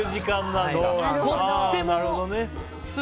なるほどね。